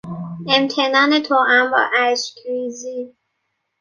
امتنان توام با اشکریزی